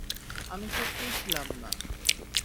আমি সত্যিই ছিলাম না।